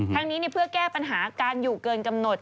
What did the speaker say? ทั้งนี้เพื่อแก้ปัญหาการอยู่เกินกำหนด